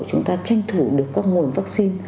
chúng ta tranh thủ được các nguồn vaccine